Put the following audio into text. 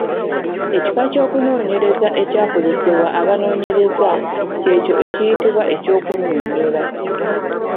Ekika ky'okunoonyereza ekyakozesebwa abanoonyereza ky'ekyo ekiyitibwa eky'okunnyonnyola.